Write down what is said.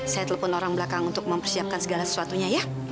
saya telepon orang belakang untuk mempersiapkan segala sesuatunya ya